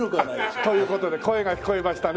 という事で声が聞こえましたね。